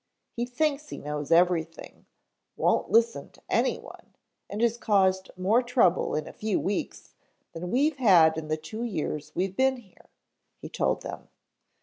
He thinks he knows everything, won't listen to anyone, and has caused more trouble in a few weeks than we've had in the two years we've been here," he told them.